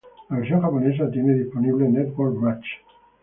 La versión Japonesa tiene disponible Network Match.